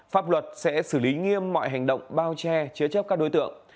pháp luật sẽ xử lý nghiêm mọi hành động bao che chứa chấp các đối tượng